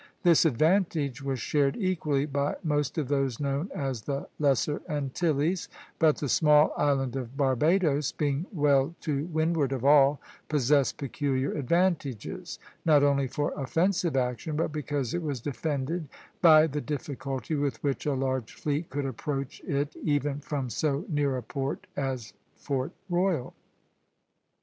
This advantage was shared equally by most of those known as the Lesser Antilles; but the small island of Barbadoes, being well to windward of all, possessed peculiar advantages, not only for offensive action, but because it was defended by the difficulty with which a large fleet could approach it, even from so near a port as Fort Royal.